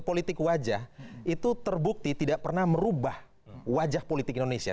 politik wajah itu terbukti tidak pernah merubah wajah politik indonesia